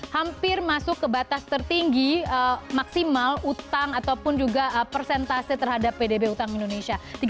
hampir masuk ke batas tertinggi maksimal utang ataupun juga persentase terhadap pdb utang indonesia